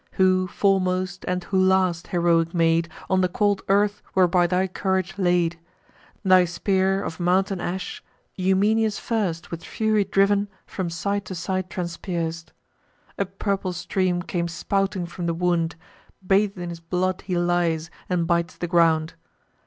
Who foremost, and who last, heroic maid, On the cold earth were by thy courage laid? Thy spear, of mountain ash, Eumenius first, With fury driv'n, from side to side transpierc'd: A purple stream came spouting from the wound; Bath'd in his blood he lies, and bites the ground.